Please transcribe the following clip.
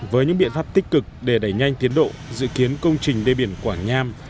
với những biện pháp tích cực để đẩy nhanh tiến độ dự kiến công trình đê biển quảng nham